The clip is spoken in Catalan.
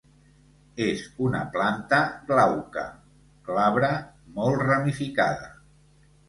És una planta glauca, glabra molt ramificada.